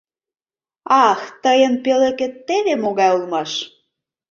— Ах, тыйын пӧлекет теве могай улмаш!